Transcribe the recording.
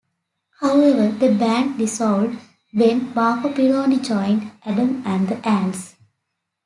However, the band dissolved when Marco Pirroni joined Adam and the Ants.